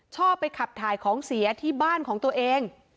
ชอบไปขับถ่ายของเสียที่บ้านของตัวเอง